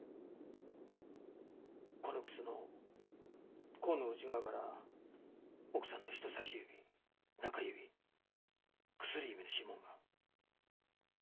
この靴の甲の内側から奥さんの人さし指中指薬指の指紋が。